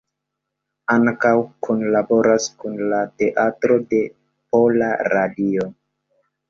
Ankaŭ kunlaboras kun la Teatro de Pola Radio.